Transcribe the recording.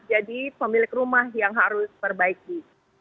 jadi pemilik rumah yang harus perbaiki